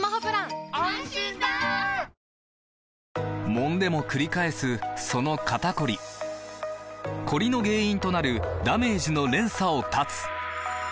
もんでもくり返すその肩こりコリの原因となるダメージの連鎖を断つ！